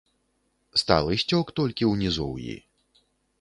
Сталы сцёк толькі ў нізоўі.